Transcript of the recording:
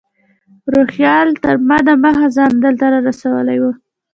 روهیال تر ما دمخه ځان دلته رارسولی و.